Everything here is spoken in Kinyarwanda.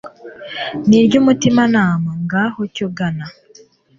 n'iry'umutimanama, ngaho, cyo gana